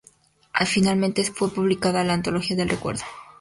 Finalmente fue publicada la "Antología del Recuerdo".